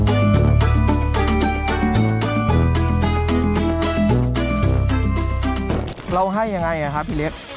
พี่เล็กเราให้อย่างไรครับพี่เล็ก